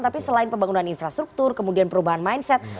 tapi selain pembangunan infrastruktur kemudian perubahan mindset